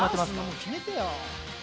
決めてよ。